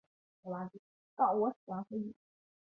顺天府乡试第五十五名。